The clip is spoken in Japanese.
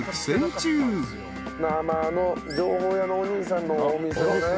あの情報屋のお兄さんのお店をね。